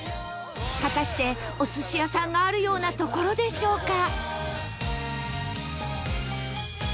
果たしてお寿司屋さんがあるような所でしょうか？